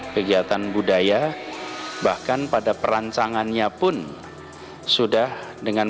kegiatan budaya bahkan pada perancangannya pun sudah dengan